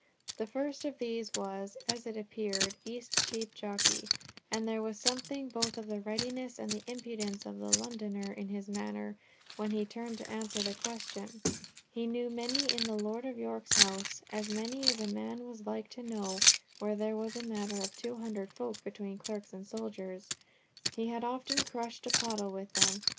The first of these was, as it appeared, Eastcheap Jockey, and there was something both of the readiness and the impudence of the Londoner in his manner, when he turned to answer the question. He knew many in my Lord of York's house—as many as a man was like to know where there was a matter of two hundred folk between clerks and soldiers, he had often crushed a pottle with them.